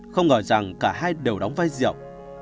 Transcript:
không ngờ rằng cả hai đều đóng vai rượu